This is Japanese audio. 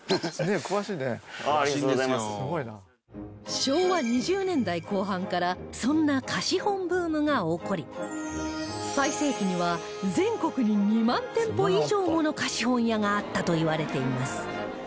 昭和２０年代後半からそんな貸本ブームが起こり最盛期には全国に２万店舗以上もの貸本屋があったといわれています